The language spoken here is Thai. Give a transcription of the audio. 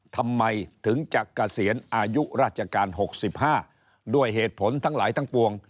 ทำไมถึงจะเกษียณอายุราชการ๖๕ด้วยเหตุผลทั้งหลายทั้งปวง